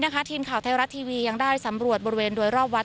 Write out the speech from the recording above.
ทีมข่าวไทยรัฐทีวียังได้สำรวจบริเวณโดยรอบวัด